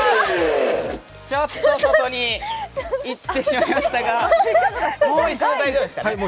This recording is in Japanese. ちょっと外に行ってしまいましたがもう一度大丈夫ですかね。